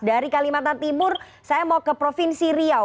dari kalimantan timur saya mau ke provinsi riau